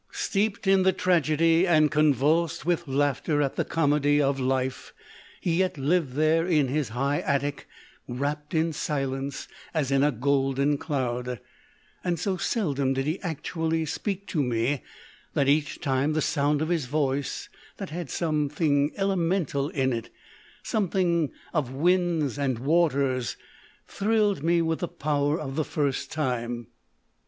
Steeped in the tragedy, and convulsed with laughter at the comedy, of life, he yet lived there in his high attic wrapped in silence as in a golden cloud ; and so seldom did he actually speak to me that each time the sound of his voice, that had some thing elemental in it â something of winds and watersâ thrilled me with the power of the first time.